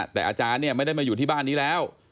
แต่อาจารย์เนี่ยไม่ได้มาอยู่ที่บ้านนี้แล้ว